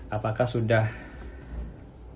apakah sudah aman ya dalam situasi ini ya